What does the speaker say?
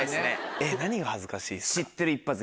えっ何が恥ずかしい？